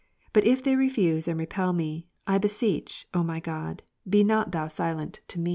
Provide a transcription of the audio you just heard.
But if they refuse and Ps. 28, 1. 1'epel me ; I beseech, O my God, be not Thou silent to me.